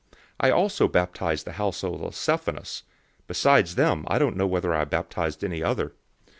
001:016 (I also baptized the household of Stephanas; besides them, I don't know whether I baptized any other.)